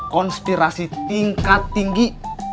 konspirasi tingkat tinggi